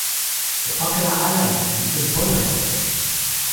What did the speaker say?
o pakala ala! mi ken pona e ona.